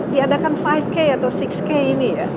diadakan lima k atau enam k ini ya